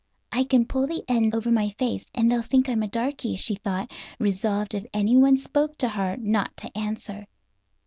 "I can pull the end over my face, and they'll think I'm a darky," she thought, resolved if anyone spoke to her not to answer.